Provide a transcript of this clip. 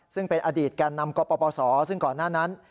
ซึ่งเป็นอดีตแก่นำกปศซึ่งก่อนหน้านั้น